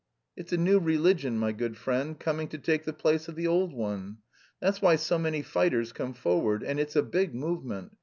It's a new religion, my good friend, coming to take the place of the old one. That's why so many fighters come forward, and it's a big movement.